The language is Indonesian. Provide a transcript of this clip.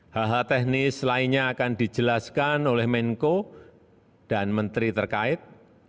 hal hal teknis lainnya akan dijelaskan oleh menko dan menteri terkait